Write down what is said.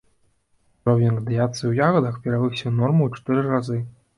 Узровень радыяцыі ў ягадах перавысіў норму ў чатыры разы.